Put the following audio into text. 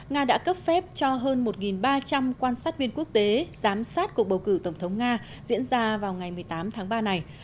nga đã cấp phép cho hơn một ba trăm linh quan sát viên quốc tế giám sát cuộc bầu cử tổng thống nga diễn ra vào ngày một mươi tám tháng ba này